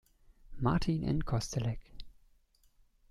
Martin in Kostelec.